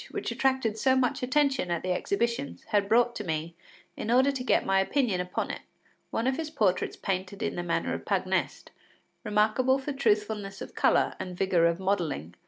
which attracted so much attention at the exhibitions, had brought to me, in order to get my opinion upon it, one of his portraits painted in the manner of Pagnest, remarkable for truthfulness of colour and vigour of modelling.